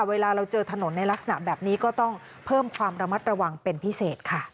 เวลาเราเจอถนนในลักษณะแบบนี้ก็ต้องเพิ่มความระมัดระวังเป็นพิเศษค่ะ